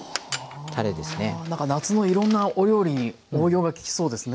なんか夏のいろんなお料理に応用が利きそうですね。